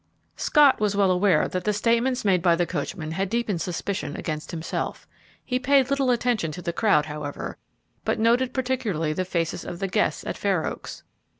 Scott was well aware that the statements made by the coachman had deepened suspicion against himself. He paid little attention to the crowd, however, but noted particularly the faces of the guests at Fair Oaks.